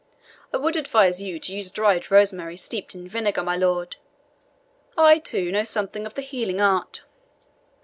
I would advise you to use dried rosemary steeped in vinegar, my lord. I, too, know something of the healing art."